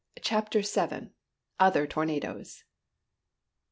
CHAPTER VII. OTHER TORNADOES.